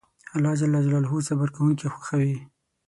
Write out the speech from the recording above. الله جل جلاله صبر کونکي خوښوي